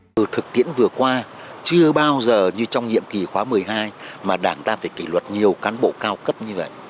từ thực tiễn vừa qua chưa bao giờ như trong nhiệm kỳ khóa một mươi hai mà đảng ta phải kỷ luật nhiều cán bộ cao cấp như vậy